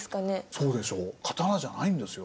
そうでしょ刀じゃないんですよ。